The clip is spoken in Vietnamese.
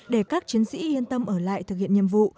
để các chiến sĩ yên tâm ở lại thực hiện nhiệm vụ